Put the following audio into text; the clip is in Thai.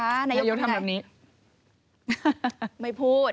นายกทำแบบนี้